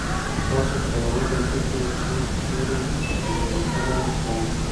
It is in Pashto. تاسو په یوه دقیقه کي څو توري لیکلی سئ؟